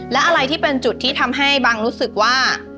และอะไรที่เป็นจุดที่ทำให้บังรู้สึกว่า